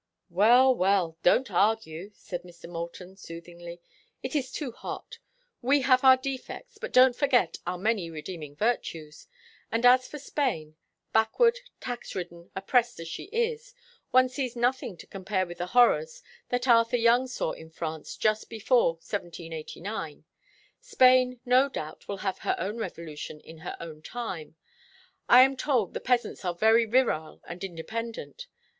"Well, well, don't argue," said Mr. Moulton, soothingly. "It is too hot. We have our defects, but don't forget our many redeeming virtues. And as for Spain, backward, tax ridden, oppressed as she is, one sees nothing to compare with the horrors that Arthur Young saw in France just before 1789. Spain, no doubt, will have her own revolution in her own time; I am told the peasants are very virile and independent.